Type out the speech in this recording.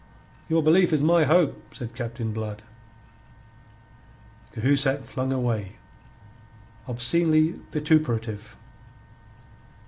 "Your belief is my hope," said Captain Blood. Cahusac flung away, obscenely vituperative.